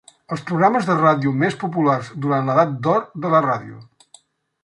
Els programes de ràdio més populars durant l'edat d'or de la ràdio.